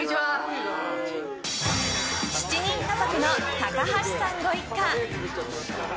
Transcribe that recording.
７人家族の高橋さんご一家。